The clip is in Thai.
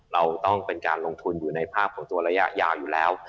เราต้องเป็นการลงทุนอยู่ในภาพของตัวระยะยาวอยู่แล้ว